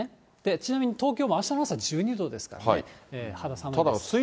ちなみに東京も、あしたの朝１２度ですからね、肌寒いです。